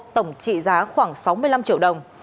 tổng trị giá khoảng sáu mươi năm triệu đồng